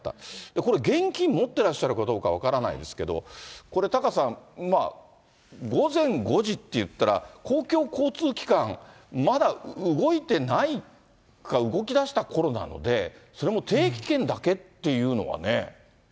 これ、現金持っていらっしゃるかどうか分からないんですけれども、これ、タカさん、まあ、午前５時っていったら、公共交通機関、まだ動いてないか、動きだしたころなので、それも定期券だけっていうのはね。